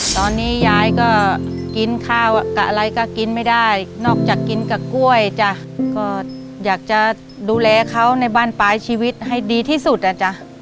ตอนนี้ยายก็กินข้าวกับอะไรก็กินไม่ได้นอกจากกินกับกล้วยจ้ะก็อยากจะดูแลเขาในบ้านปลายชีวิตให้ดีที่สุดอ่ะจ๊ะ